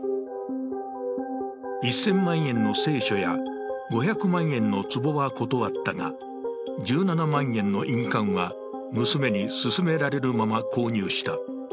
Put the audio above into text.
１０００万円の聖書や５００万円の壺は断ったが、１７万円の印鑑は娘に勧められるまま購入した。